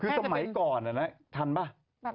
คือสมัยก่อนทันป่ะ